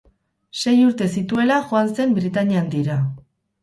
Sei urte zituela joan zen Britainia Handira.